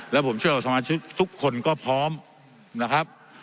และผมเชื่อว่าสมาชิกทุกคนก็พร้อมนะครับ